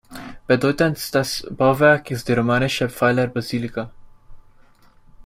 Bedeutendstes Bauwerk ist die romanische Pfeilerbasilika.